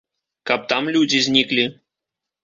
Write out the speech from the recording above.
Каб там людзі зніклі.